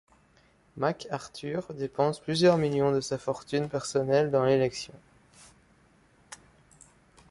MacArthur dépense plusieurs millions de sa fortune personnelle dans l'élection.